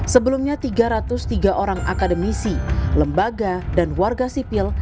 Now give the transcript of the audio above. sebelumnya tiga ratus tiga orang akademisi lembaga dan warga sipil